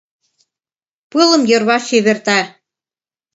Пылым йырваш чеверта.